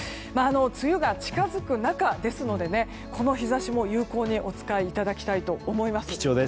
梅雨が近づく中ですのでこの日差しも有効にお使いいただきたいと思います。